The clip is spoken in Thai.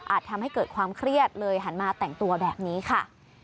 ทำให้เกิดความเครียดเลยหันมาแต่งตัวแบบนี้ค่ะ